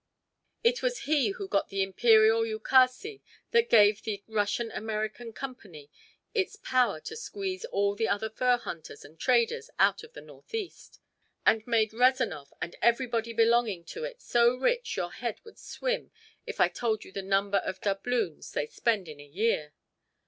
It was he who got the Imperial ukase that gave the Russian American Company its power to squeeze all the other fur hunters and traders out of the northeast, and made Rezanov and everybody belonging to it so rich your head would swim if I told you the number of doubloons they spend in a year.